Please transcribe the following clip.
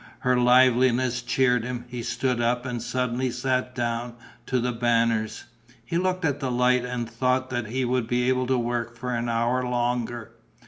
Her liveliness cheered him; he stood up and suddenly sat down to The Banners. He looked at the light and thought that he would be able to work for an hour longer.